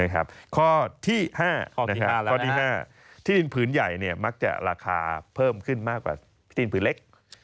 ข้อที่๕ข้อที่๕ที่ดินผืนใหญ่มักจะราคาเพิ่มขึ้นมากกว่าที่ดินผืนเล็ก